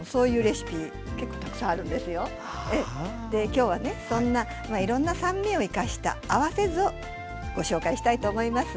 今日はねそんないろんな酸味を生かした合わせ酢をご紹介したいと思います。